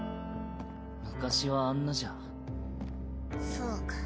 昔はあんなじゃそうか。